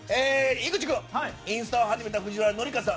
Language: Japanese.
井口君、インスタを始めた藤原紀香さん。